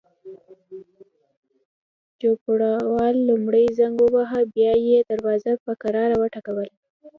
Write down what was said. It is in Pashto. چوپړوال لومړی زنګ وواهه، بیا یې دروازه په کراره وټکوله.